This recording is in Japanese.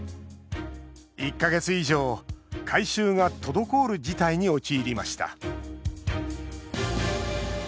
１か月以上回収が滞る事態に陥りました。